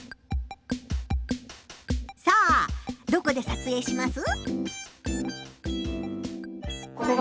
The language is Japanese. さあどこで撮影します？